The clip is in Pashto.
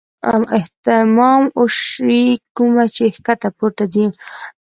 اهتمام اوشي کومه چې ښکته پورته ځي -